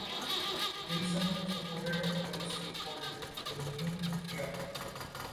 Wilson supported a policy called "The New Freedom".